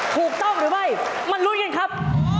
ถูกต้องหรือไม่มาลุ้นกันครับ